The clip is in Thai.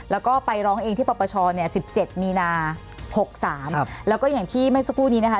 แล้วก็ไปร้องเองที่ปปช๑๗มีนา๖๓แล้วก็อย่างที่เมื่อสักครู่นี้นะคะ